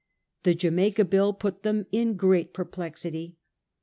The Jamaica Bill put them in great perplexity.